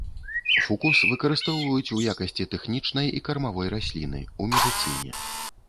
Фукус выкарыстоўваюць у якасці тэхнічнай і кармавой расліны, у медыцыне.